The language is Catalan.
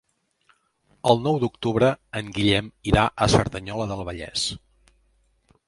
El nou d'octubre en Guillem irà a Cerdanyola del Vallès.